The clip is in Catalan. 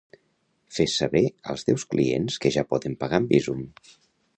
Fes saber als teus clients que ja poden pagar amb Bizum